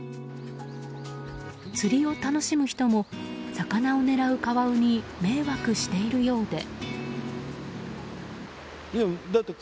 釣りを楽しむ人も魚を狙うカワウに迷惑しているようで。